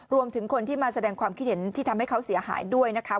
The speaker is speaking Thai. รวมถึงคนที่มาแสดงความคิดเห็นที่ทำให้เขาเสียหายด้วยนะคะ